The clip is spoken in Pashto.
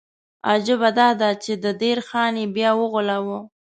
عجیبه دا ده چې د دیر خان یې بیا وغولاوه.